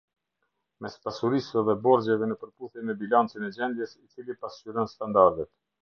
Mes pasurisë dhe borxheve në përputhje me bilancin e gjendjes, i cili pasqyron standardet.